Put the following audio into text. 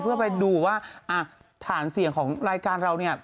เพื่อไปดูว่าฐานเสี่ยงของรายการเราเนี่ย